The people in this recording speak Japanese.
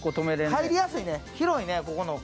入りやすいね、広い。